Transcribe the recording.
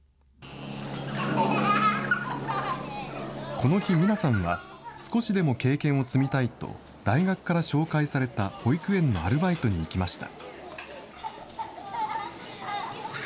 この日、ミナさんは少しでも経験を積みたいと、大学から紹介された保育園のアルバイトに行きました。